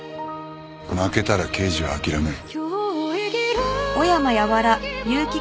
負けたら刑事は諦めろ。